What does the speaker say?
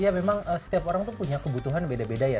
ya memang setiap orang tuh punya kebutuhan beda beda ya